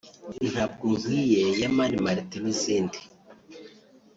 ‘Ntabwo nkwiye ya Mani Martin’ n’izindi